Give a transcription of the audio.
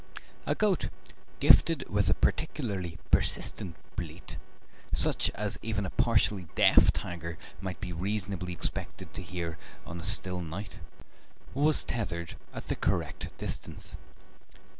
A goat, gifted with a particularly persistent bleat, such as even a partially deaf tiger might be reasonably expected to hear on a still night, was tethered at the correct distance.